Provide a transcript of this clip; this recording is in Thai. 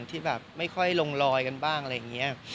ที่แบบไม่ค่อยลงลอยกันบ้างอะไรอย่างนี้